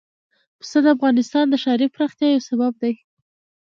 پسه د افغانستان د ښاري پراختیا یو سبب دی.